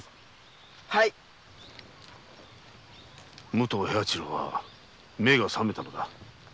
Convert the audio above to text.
武藤平八郎は目が覚めたのだ。